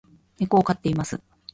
猫を飼っています